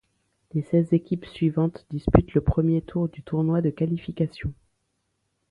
Les seize équipes suivantes disputent le premier tour du tournoi de qualification.